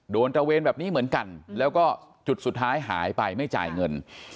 ตระเวนแบบนี้เหมือนกันแล้วก็จุดสุดท้ายหายไปไม่จ่ายเงิน